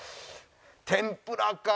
天ぷらか！